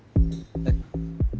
えっ？